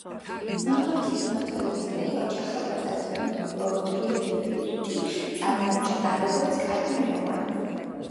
მამამისის მმართველობის პერიოდში ახალგაზრდა თოიდებერტი წარმოჩნდა, როგორც კარგი მეომარი.